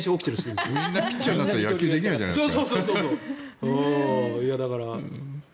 みんなピッチャーになったら野球できないじゃないですか。